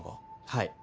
はい。